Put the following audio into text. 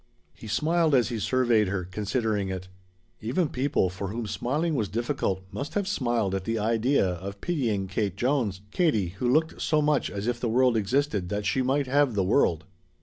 He smiled as he surveyed her, considering it. Even people for whom smiling was difficult must have smiled at the idea of pitying Katie Jones Katie, who looked so much as if the world existed that she might have the world.